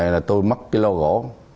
là tôi mất cái lô gỗ